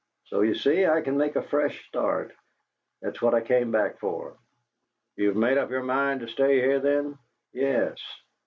So, you see, I can make a fresh start. That's what I came back for." "You've made up your mind to stay here, then?" "Yes."